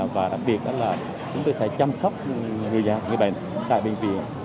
và đặc biệt là chúng tôi sẽ chăm sóc người bệnh tại bệnh viện